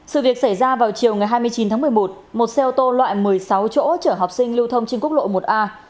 sự việc xảy ra vào chiều ngày hai mươi chín tháng một mươi một một xe ô tô loại một mươi sáu chỗ chở học sinh lưu thông trên quốc lộ một a